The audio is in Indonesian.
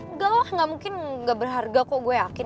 enggak lah gak mungkin gak berharga kok gue yakin